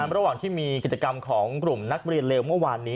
ระหว่างที่มีกิจกรรมของกลุ่มนักเรียนเลวเมื่อวานนี้